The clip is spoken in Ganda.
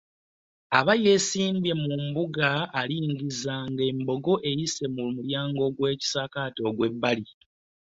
Aba yeesimbye mu mbuga alingiza nga n'embogo eyise mu mulyango gw'ekisaakaate ogw'ebbali.